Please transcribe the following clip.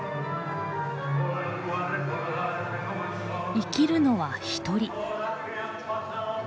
生きるのは独り。